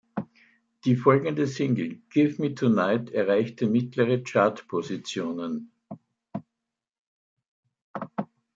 Die folgende Single "Give Me Tonight" erreichte mittlere Chartpositionen.